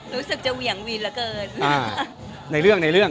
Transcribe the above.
รู้สึกจะเหวี่ยงวีนเหลือเกิน